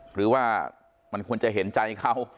หรือว่ามันควรจะเห็นใจเขา